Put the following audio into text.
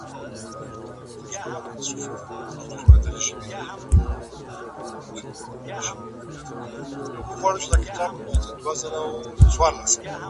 که نجونې انګورې شي نو خدمت به نه هیریږي.